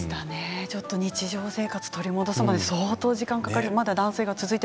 日常生活を取り戻すまで相当、時間がかかりますね。